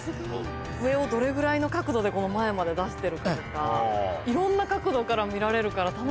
笛をどれぐらいの角度でこの前まで出してるかとかいろんな角度から見られるから。